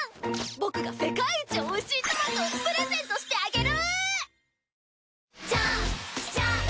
僕が世界一おいしいトマトをプレゼントしてあげる！